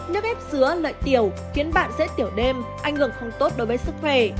nước ép dứa lợi tiểu khiến bạn dễ tiểu đêm ảnh hưởng không tốt đối với sức khỏe